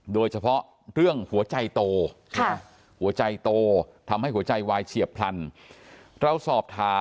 โดยเฉพาะเรื่องหัวใจโต